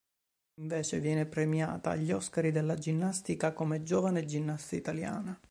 Infine viene premiata agli "Oscar della Ginnastica" come "Giovane ginnasta italiana".